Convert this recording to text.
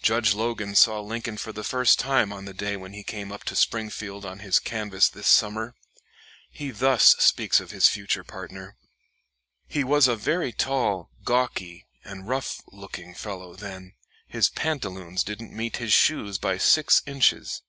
Judge Logan saw Lincoln for the first time on the day when he came up to Springfield on his canvass this summer. He thus speaks of his future partner: "He was a very tall, gawky, and rough looking fellow then; his pantaloons didn't meet his shoes by six inches.